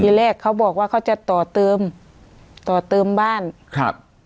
แรกเขาบอกว่าเขาจะต่อเติมต่อเติมบ้านครับ